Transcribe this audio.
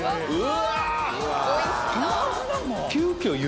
うわ。